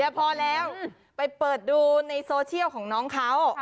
พอแล้วไปเปิดดูในโซเชียลของน้องเขา